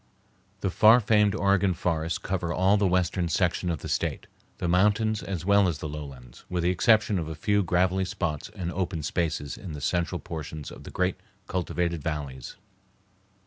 The far famed Oregon forests cover all the western section of the State, the mountains as well as the lowlands, with the exception of a few gravelly spots and open spaces in the central portions of the great cultivated valleys.